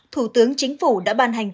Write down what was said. thủ tướng chính phủ đã ban hành